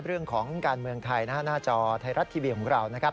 เรื่องของการเมืองไทยนะฮะหน้าจอไทยรัฐทีวีของเรานะครับ